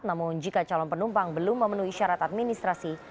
namun jika calon penumpang belum memenuhi syarat administrasi